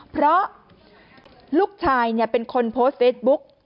เพราะลูกชายเป็นคนโพสต์เฟซบุ๊ก